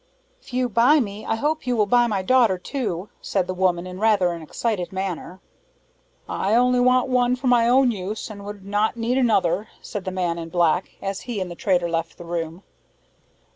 "If you buy me, I hope you will buy my daughter too," said the woman, in rather an excited manner. "I only want one for my own use, and would not need another," said the man in black, as he and the trader left the room.